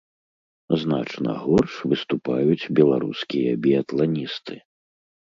Значна горш выступаюць беларускія біятланісты.